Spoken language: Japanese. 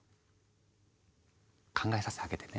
考えさせてあげてね。